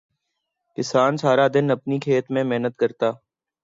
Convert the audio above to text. کسان سارا دن اپنے کھیت میں محنت کرتا